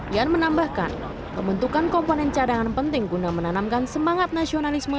yan menambahkan pembentukan komponen cadangan penting guna menanamkan semangat nasionalisme